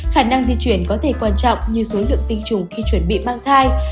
khả năng di chuyển có thể quan trọng như số lượng tinh trùng khi chuẩn bị mang thai